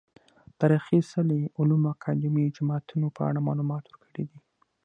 تاريخي څلي، علومو اکادميو، جوماتونه په اړه معلومات ورکړي دي